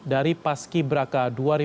dari paski beraka dua ribu sembilan belas